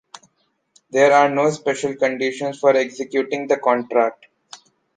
There are no special conditions for executing the contract.